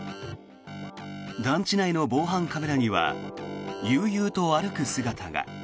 団地内の防犯カメラには悠々と歩く姿が。